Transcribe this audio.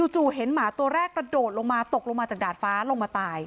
จู่เห็นหมาตัวแรกกระโดดลงมาตกลงมาจากดาดฟ้าลงมาตาย